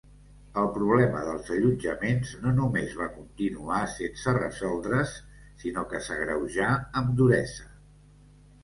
El problema dels allotjaments no només va continuar sense resoldre's sinó que s'agreujà amb duresa.